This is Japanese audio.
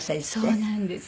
そうなんです。